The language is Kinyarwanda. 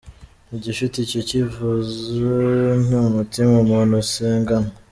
Igifite icyo kivuze ni umutima umuntu asengana.